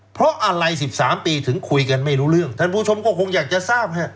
เพราะอะไร๑๓ปีถึงคุยกันไม่รู้เรื่องท่านผู้ชมก็คงอยากจะทราบฮะ